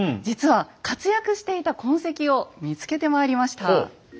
実は活躍していた痕跡を見つけてまいりました。